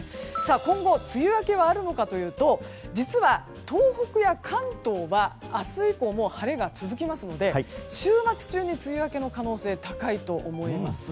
今後、梅雨明けはあるのかというと実は東北や関東は明日以降、晴れが続きますので週末中に梅雨明けの可能性が高いと思います。